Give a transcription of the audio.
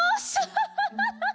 ハハハハハ！